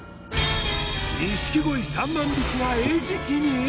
錦鯉３万匹が餌食に！？